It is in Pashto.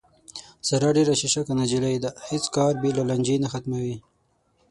ساره ډېره شیشکه نجیلۍ ده، هېڅ کار بې له لانجې نه ختموي.